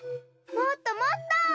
もっともっと！まる。